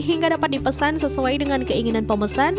hingga dapat dipesan sesuai dengan keinginan pemesan